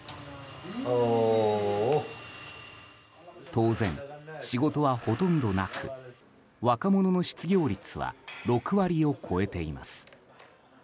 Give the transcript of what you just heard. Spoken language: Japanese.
当然、仕事はほとんどなく若者の失業率は６割を超えています。